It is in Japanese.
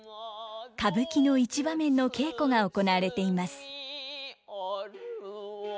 歌舞伎の一場面の稽古が行われています。